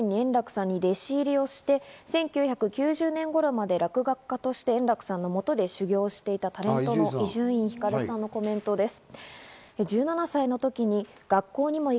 さらに１９８７年に円楽さんに弟子入りをして１９９０年頃まで落語家として円楽さんのもとで修行していたタレントの伊集院光さんのコメントです。